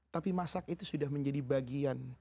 tapi masak itu sudah menjadi bagian